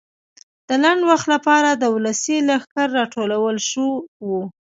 د لنډ وخت لپاره د ولسي لښکر راټولول شو وو.